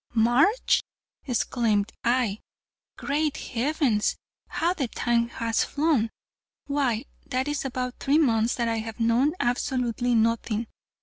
"March!" exclaimed I. "Great heavens, how the time has flown! Why, that is about three months that I have known absolutely nothing.